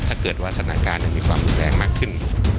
ถ้าเกิดว่าสถานการณ์ยังมีความรุนแรงมากขึ้น